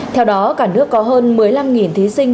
theo đó cả nước có hơn một mươi năm thí sinh